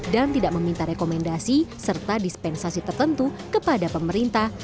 dan tidak meminta rekomendasi serta dispensasi tertentu kepada pemerintah